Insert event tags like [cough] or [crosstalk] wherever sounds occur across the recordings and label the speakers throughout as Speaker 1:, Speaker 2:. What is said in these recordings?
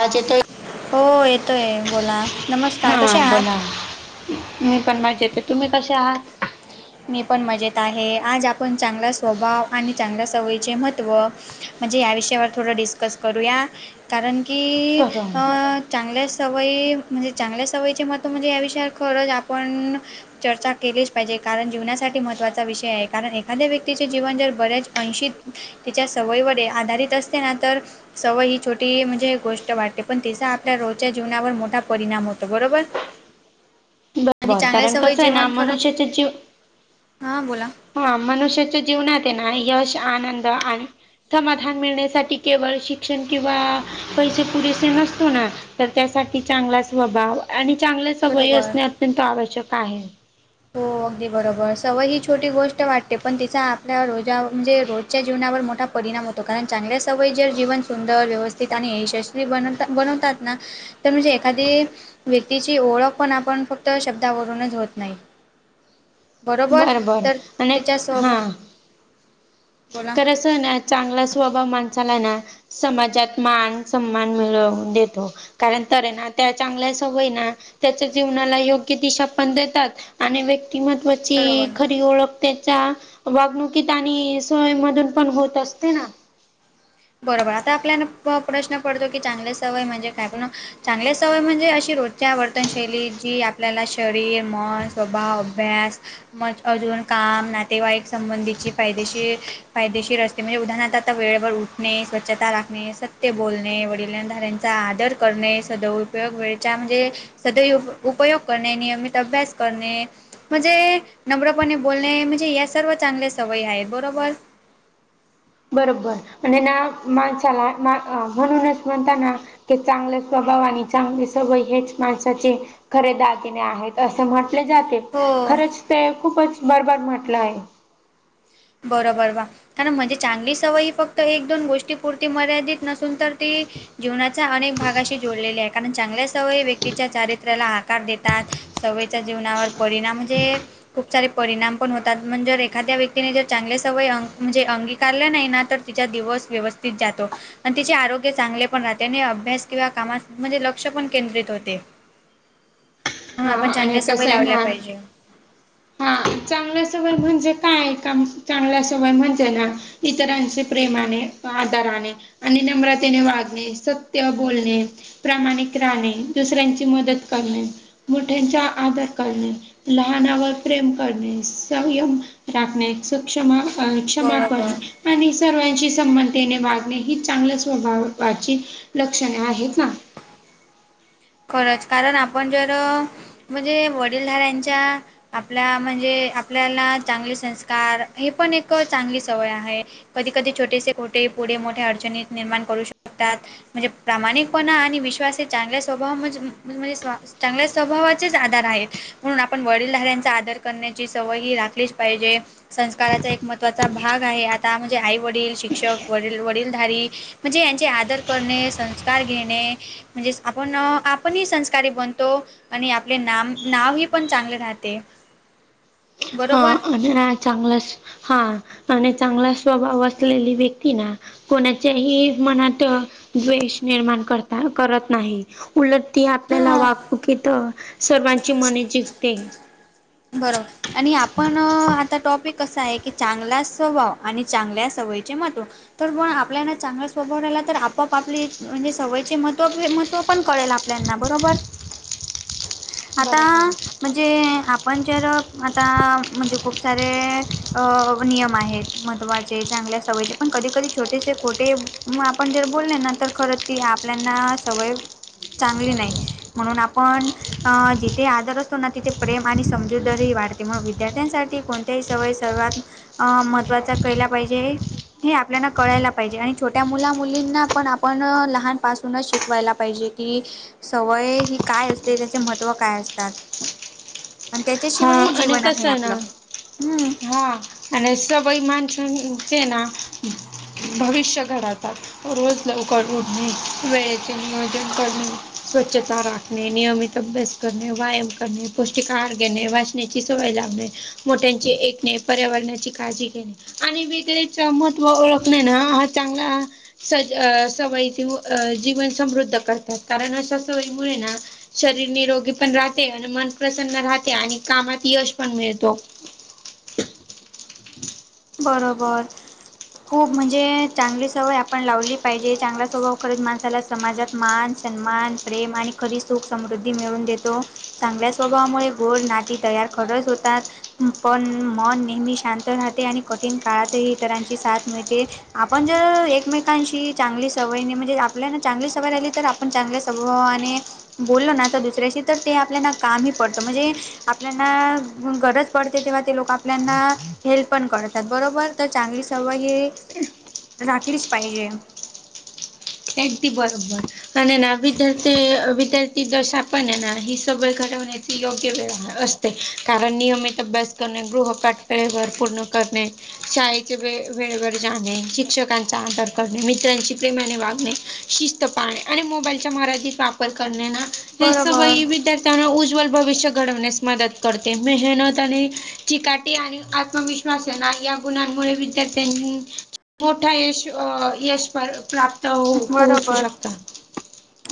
Speaker 1: वाज येतोय.
Speaker 2: हो येतोय बोला.
Speaker 1: हा
Speaker 2: नमस्कार कसे आहात?
Speaker 1: बोला मी पण मजेतये, तुम्ही कश्या आहात?
Speaker 2: मी पण मजेत आहे आज आपण चांगला स्वभाव आणि चांगल्या सवयी चे महत्व म्हणजे या विषयावर थोड डिस्कस करूया. कारण की
Speaker 1: बरं
Speaker 2: अ चांगल्या सवयी म्हणजे चांगल्या सवयीचे महत्व म्हणजे या विषयावर खरंच आपण चर्चा केलीच पाहिजे. कारण जीवनासाठी महत्त्वाचा विषय आहे कारण एखाद्या व्यक्तीचे जीवन जर बऱ्याच अंशी तिच्या सवयी वडे आधारित असते ना तर सवय ही छोटी म्हणजे गोष्ट वाटते पण तिचा आपल्या रोजच्या जीवनावर मोठा परिणाम होतो बरोबर. आणि चांगल्या सवयी जीवन खरंच
Speaker 1: त्याची
Speaker 2: हां बोला!
Speaker 1: हा मनुष्याच्या जीवनात आहे ना यश, आनंद आणि समाधान मिळण्यासाठी केवळ शिक्षण किंवा पैसे पुरेसे नसतो ना. तर त्यासाठी चांगला स्वभाव आणि चांगल्या सवयी
Speaker 2: बरोबर.
Speaker 1: असणे अत्यंत आवश्यक आहे.
Speaker 2: हो अगदी बरोबर सवय ही छोटी गोष्ट वाटते. पण तिचा आपल्या रोजा- म्हणजे रोज च्या जीवनावर मोठा परिणाम होतो, कारण चांगल्या सवयी जर जीवन सुंदर व्यवस्थित आणि यशस्वी बनव -बनवतात ना तर म्हणजे एखादी व्य तिची ओळख पण आपण फक्त शब्दावरूनच होत नाही. बरोबर
Speaker 1: बरं बरं
Speaker 2: तर तिच्या स्वभा
Speaker 1: तर अस ना चांगला स्वभाव माणसाला ना! समाजात मान, सन्मान मिळवून देतो. कारण तर ना त्या चांगल्या सवयी ना त्याच्या जीवनाला योग्य दिशा पण देतात आणि व्य किंवा त्याची
Speaker 2: बरोबर.
Speaker 1: खरी ओळख त्याच्या वागणुकीत आणि सवयी मधून पण होत असते ना‌.
Speaker 2: बरोबर! आता आपल्याला प- प्रश्न पडतो की, चांगल्या सवय म्हणजे काय? पण चांगल्या सवयी म्हणजे अशी रोजच्या वर्तनशैली जी आपल्याला शरीर, मन, स्वभाव, अभ्यास म अजून काम, नातेवाईक संबंधीची फायदेशीर- फायदेशीर असते. ते म्हणजे उदाहरण आता वेळेवर उ णे स्वच्छता राखणे, सत्य बोलणे, वडिलधाऱ्यांचा आदर करणे, सदैव उपयोग वेळेच्या म्हणजे सदैव उपयोग करणे, नियमित अभ्यास करणे, म्हणजे नम्रपणे बोलणे म्हणजे या सर्व चांगल्या सवयी आहेत बरोबर.
Speaker 1: बरोबर! आणि ना माणसाला मा- म्हणूनच म्हणताना. ते चांगले स्वभाव आणि चांगली सवय हेच माणसाचे खरे दागिने आहेत. असं म्हटले जाते,
Speaker 2: हो
Speaker 1: खरंच ते खूपच बरोबर म्हटलं आहे.
Speaker 2: बरोबर वा! कारण म्हणजे चांगली सवय ही फक्त एक, दोन गोष्टी पुरती मर्यादित नसून तर ती जीवनाच्या अनेक भागाशी जोडलेले आहे, कारण चांगल्या सवयी व्यक्तीच्या चारित्र्याला आकार देतात. सवयच्या जीवनावर परिणाम म्हणजे खूप सारे परिणाम पण होतात. म्हणजे एखाद्या व्यक्ती तिने जर चांगले सवय अं- म्हणजे अंगीकारले नाही ना, तर तिचा दिवस व्यवस्थित जातो. आणि तिचे आरोग्य चांगले पण राहते आणि अभ्यास किंवा कामा म्हणजे लक्ष पण केंद्रित होते. म्हणून
Speaker 1: हा
Speaker 2: आपण
Speaker 1: आणि
Speaker 2: चांगल्या सवयी
Speaker 1: कसं आहे
Speaker 2: लावल्या
Speaker 1: ना
Speaker 2: पाहिजे.
Speaker 1: हा चांगल्या सवय म्हणजे काय? काम चांगल्या सवय म्हणजे ना इतरांशी प्रेमाने आधाराने राहणे आणि नम्रतेने वागणे, सत्य बोलणे. प्रामाणिक राहणे, दुसऱ्यांची मदत करणे, मोठ्यांचा आदर करणे, लहानांवर प्रेम करणे, संयम राखणे, क्ष्मा- क्षमा करणे,
Speaker 2: बरोबर.
Speaker 1: आणि सर्वांशी संमतेने वागणे ही चांगल्या स्वभावाची लक्षणे आहेत ना.
Speaker 2: खरंच कारण आपण जर म्हणजे वडीलधाऱ्यांच्या आपल्या म्हणजे आपल्याला चांगले संस्कार हे पण एक चांगली सवय आहे. कधी कधी छोटेसे खोटे पुढे मोठ्या अडचणीत निर्माण करू शकतात. म्हणजे प्रामाणिकपणा आणि विश्वास हे चांगल्या स्वभाव म्हणजे म्हणजे स्व -चांगल्या स्वभावाचेच आधार आहेत. म्हणून आपण वडीलधाऱ्यांचा आदर करण्याची सवय ही राखलीच पाहिजे. संस्काराचा एक महत्त्वाचा भाग आहे. आता म्हणजे आईवडील, शिक्षक, वडील, वडीलधारी म्हणजे यांचे आदर करणे, संस्कार घेणे म्हणजे आपण आपणही संस्कारी बनतो आणि आपले नाम नावही पण चांगले राहते. [unintelligible]
Speaker 1: हा आणि ह चांगला हा आणि चांगला स्वभाव असलेली व्यक्ती ना कोणाच्याही मनात द्वेष निर्माण करता करत नाही. उलट ती आपल्याला
Speaker 2: ह
Speaker 1: वागणुकीत सर्वांची मने जिंकते.
Speaker 2: बरोबर आणि आपण आता टॉपिक कसं आहे की चांगला स्वभाव आणि चांगल्या सवयीचे मत्व तर मण आपल्याला चांगलं स्वभा राला तर आपआप आपली म्हणजे सवयचे मत् मत्व पण कळेल प्लना बरोबर, आता
Speaker 1: बरोबर
Speaker 2: म्हणजे आपण जर आता म्हणजे खूप सारे अ नियम आहेत महत्त्वाचे चांगल्या सवयीचे पण कधी कधी छोटेसे खोटे मग आपण जर बोलले ना तर खरं ती आपल्याना सवय चांगली नाही म्हणून आपण जिथे आदर असतो ना तिथे प्रेम आणि समजूदारही वाढते म्हण विद्यार्थ्यांसाठी कोणत्याही सवय सर्वात अं महत्त्वाचा केळला पाहिजे. हे आपल्याना कळायला पाहिजे आणि छोट्या मुला मुलींना पण आपण लहान पासूनच शिकवायला पाहिजे. कि सवय हि काय असते त्याचे महत्त्व काय असतात. आणि
Speaker 1: हा
Speaker 2: त्याच्याशिवाय ही जीवन आहे आपलं हम्म.
Speaker 1: हां. आणि सवय माणसांचे ना भविष्य घडतात. रोज लवकर उढणे वचे नियोजन करणे स्वच्छता राख णे नियमित अभ्यास करणे व्यायाम करणे पौष्टिक आहार घेणे ण्याची सवय लाभणे मोठ्यांची ऐकणे पर्यावरणाची काळजी घेणे, आणि वेगळेच महत्त्व ओळख नाही ना हा चांगला सज अ सवयीचे अ जीवन समृद्ध करतात कारण अशा सवयी मुळ ना शरीर निरोगी पण राहते आणि मन प्रसन्न राहते आणि कामात यश पण मिळतो.
Speaker 2: बरोबर. खूप म्हणजे चांगली सवय आपण लावली पाहिजे चांगला स्वभाव करत माणसाला समाजात मान सन्मान प्रेम आणि कधी सुख समृद्धी मिळवून देतो. चांगल्या स्वभावामुळे गोड नाती तयार खरच होतात. पण मन नेहमी शांत राहते आणि कठीण काळातही इतरांची साथ मिळते. आपण जर एकमेकांशी चांगली सवय म्हणजे आपल्या ना चांगली सवय राहिली तर आप पण चांगल्या स्वभा आणि बोललो ना तर दुसऱ्याशी तर ते आपल्याला कामही पडतं म्हणजे आपल्याना गरज पडते तेव्हा ते लोक आपल्याना हेल्प पण करतात त्यातबरोबर तर चांगली सवय हे राखलीच पाहिजे.
Speaker 1: त्यांटी बरोबर. आणि ना विद्यार्थी विद्यार्थी दश्या पण हे ना ही सव्हय घडवण्याची योग्य वेळ असते. कारण नियमित अभ्यास करणे गृहपाठ परवार पूर्ण करणे शाळेचे वे वेळेवर जाणे शिक्षकांचा आदर करणे मित्रांशी प्रेमाने वागणे शिस्त पाळणे आणि मोबाईलच्या मर्यादीत वापर करणे ना हे
Speaker 2: बरोबर
Speaker 1: सवयी विद्यार् ना उज्ज्वल भविष्य घडवण्यास मदत करते मेहनतने चिकाटी आणि आत्मविश श्सना या गुणांमुळे विद्यार्थ्यां मोठा यश यश प्राप्त होऊ पोहोचू
Speaker 2: बरोबर
Speaker 1: शकता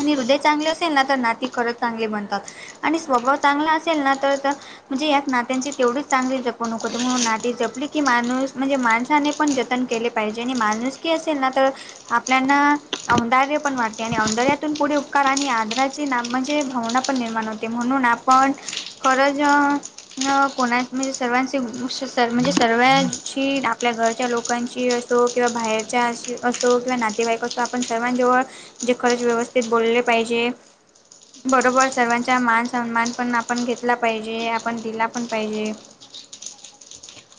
Speaker 2: आणि हृदय चांगले असेल ना तर नाती खरंच चांगली बनतात. आणि स्वभाव चांगला असेल ना तर तर म्हणजे यात नात्यांची तेवढीच चांगली जपूणक होती म्हणून नाते जपली की माणूस म्हणजे माणसाने पण जतन केले पाहिजे आणि माणूस की असेल ना तर आपल्याना औंधारय पण वाढते आणिऔंधार्यातून पुढे उपकार आणि आदराचे ना म्हणजे भावना पण निर्माण होते म्हणून आप पण खरंच कोणा म्हणजे सर्वांचे म्हणजे सर्वची आपल्या घरच्या लोकांची किंवा बाहेरच्या अ असो किंवा ना तेव्हाही कसं आपण सर्वां जवळ जे खरच व्यवस्थित बोलले पाहिजे बरोबर सर्वांचा मान सन्मान पण आपण घेतला पाहिजे आपण दिला पण पाहिजे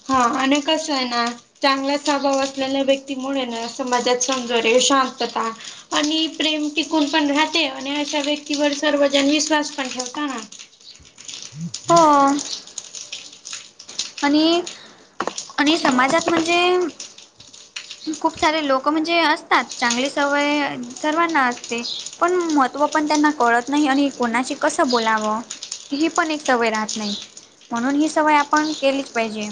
Speaker 1: हा आणि कसंय ना चांगलाच अभाव असलेल्या व्यक्तीमुळे ना समाजात समजर्य शांतता आणि प्रेम टिकून पण राहते आणि अशा व्यक्तीवर सर्वजण विश्वास पण ठेवता ना?
Speaker 2: [unintelligible]
Speaker 1: ह् हम्
Speaker 2: हो
Speaker 1: [inaudible]
Speaker 2: आणि, आणि समाजात म्हणजे? खूप सारे लोक म्हणजे असतात चांगली सवय सर्वांना असते पण महत्त्व पण त्यांना कळत नाही आणि कोणाशी कसं बोलावं ही पण एक सवय राहत नाही म्हणून ही सवय आपण केलीच पाहिजे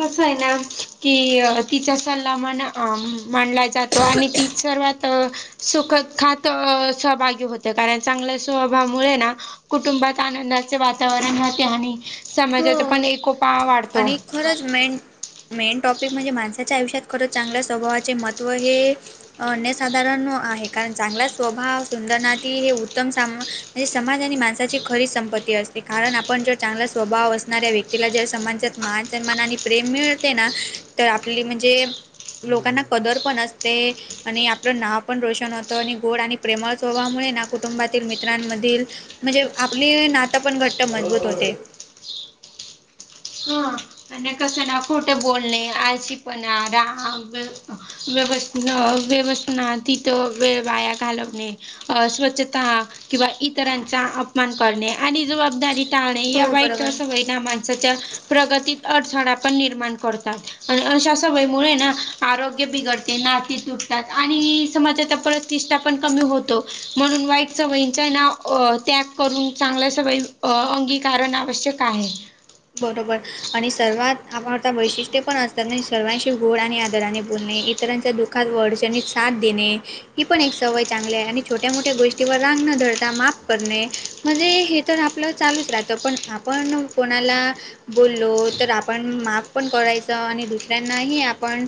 Speaker 1: कसंय ना की तिचा सल्ला म्हना मानला जातो आणि ती सर्वात सुखत खात सहभागी होते कारण चांगल्या स्वभावामुळे ना कुटुंबात आनंदाचे वातावरण राहते आणि समाजाचा
Speaker 2: हो
Speaker 1: पण एकोपा वाढतो
Speaker 2: आणि खरंच मेन, मेन टॉपिक म्हणजे माणसाच्या आयुष्यात खरंच चांगल्या स्वभावाचे महत्व हे अन्यसाधारण आहे कारण चांगला स्वभाव, सुंदर नाती, हे उत्तम साम म्हणजे समाज आणि माणसाची खरीच संपत्ती असते कारण आपण जर चांगला स्वभाव असणाऱ्या व्यक्तीला जर समाजात मानसन्मान आणि प्रेम मिळते ना तर आपली म्हणजे लोकांना कदर पण असते आणि आपलं नाव पण रोशन होतं आणि गोड आणि प्रेमळ स्वभावामुळे ना कुटुंबातील मित्रांमधील म्हणजे आपली नातं पण घट्ट मजबूत होते
Speaker 1: हा आणि कसं ना खोठं बोलणे आळशीपणा, राग व्यवसान व्यवस्थना तिथं वे वाया घालवणे अ स्वच्छता किंवा इतरांचा अपमान करणे आणि जबाबदारी टाळणे या
Speaker 2: हो
Speaker 1: वाईट
Speaker 2: बरोबर
Speaker 1: सवयी ना माणसाच्या प्रगतीत अडथळा पण निर्माण करतात आणि अशा सवयीमुळे ना आरोग्य बिघडते नाती तुट आणि समाजचा प्रतिष्ठापण कमी होतो म्हणून वाईट सवयींचा नां त्या करून चांगल्या सवयी अंगीकारण आवश्यक आहे.
Speaker 2: बरोबर आणि सर्वात आपण आता वैशिष्ट्य पण असतात ना सर्वांशी गोड आणि आदराने बोलणे इतरांच्या दुःख एखाद वडच्यांनी साथ देणे. ही पण एक सवय चांगली आहे आणि छोट्या मोठ्या गोष्टीवर राग न धरता माप करणे म्हणजे हे तर आपलं चालूच राहतं पण आपण पण बोललो तर आपण माफ पण करायच आणि दुसऱ्यांनाही आपण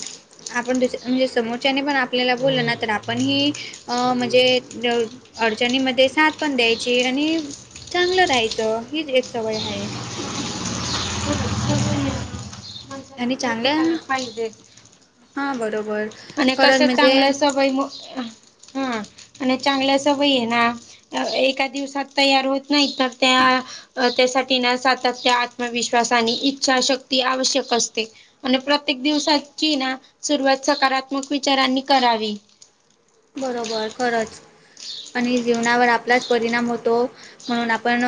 Speaker 2: आपण दुस्या म्हणजे समोरच्याने पण आपल्याला बोललं ना तर आपण ही म्हणजे अडचणीमध्ये साथ पण द्यायची आणि चांगलं राहायचं ही एक सवय हाये
Speaker 1: माणसाला
Speaker 2: आणि चांगल्या
Speaker 1: प्रत्येकाला पाहिजे
Speaker 2: हा बरोबर
Speaker 1: आणि
Speaker 2: खरंच
Speaker 1: कसं
Speaker 2: म्हणजे
Speaker 1: चांगल्या स वय हा आणि चांगल्या स वयी ये ना अ एका दिवसात तयार होत नाही तर त्या अ त्यासाठी ना सातत्य आत्मविश्वास आणि इच्छाशक्ती आवश्यक असते आणि प्रत्येक दिवसाची ना सुरुवात सकारात्मक विचारांनी करावी
Speaker 2: बरोबर खरंच आणि जीवनावर आपलाच परिणाम होतो म्हणून आपण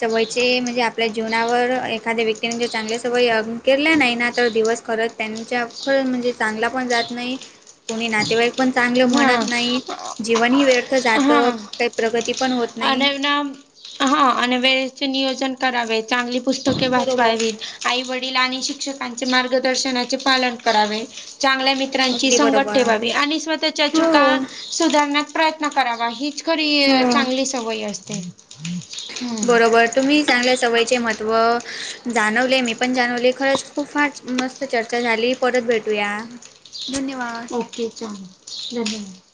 Speaker 2: सवयचे म्हणजे आपल्या जीवनावर एखाद्या व्यक्तीने जर चांगल्या सवय केल्या नाही ना तर दिवस खरं त्यांच्या खरं म्हणजे चांगला पण जात नाही कोणी नातेवाईक चांग
Speaker 1: हां
Speaker 2: म्हणत नाही जीवन व्यर्थ जात काय प्रगती पण होत नाही
Speaker 1: आणिना हा आणि वे नियोजन करावे चांगली पुस्तके
Speaker 2: बरोबर
Speaker 1: वाचवावी आई वडील आणि शिक्षकांचे मार्गदर्शनाचे पालन करावे चांगल्या मित्र चांगले मित्रांची
Speaker 2: अगदी
Speaker 1: संगत
Speaker 2: बरोबर
Speaker 1: ठेवावी आणि स्वतःच्या
Speaker 2: हो
Speaker 1: चुका सुधारण्याचा प्रयत्न करा खरी
Speaker 2: हो
Speaker 1: चांगली सवय असते हम्म
Speaker 2: बरोबर तुम्ही चांगल्या सवयीचे महत्व जाणवले मी पण जाणवले खरंच खूप फार मस्त चर्चा झाली परत भेटूया धन्यवाद
Speaker 1: े चां धन्यवाद